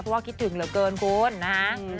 เพราะว่าคิดถึงเหลือเกินคุณนะฮะ